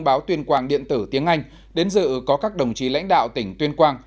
báo tuyên quang điện tử tiếng anh đến dự có các đồng chí lãnh đạo tỉnh tuyên quang